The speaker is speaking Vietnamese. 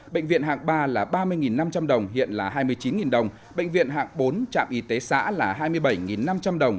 bệnh viện hạng ba là ba mươi năm trăm linh đồng hiện là hai mươi chín đồng bệnh viện hạng bốn trạm y tế xã là hai mươi bảy năm trăm linh đồng